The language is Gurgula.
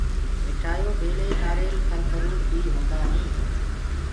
مٺآيو ڀيݪی نآريل ڦل ڦروٚ بي هوندآ هينٚ۔